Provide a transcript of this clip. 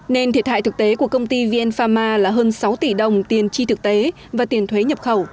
nên thiệt hại thực tế của công ty vn pharma là hơn sáu tỷ đồng tiền chi thực tế và tiền thuế nhập khẩu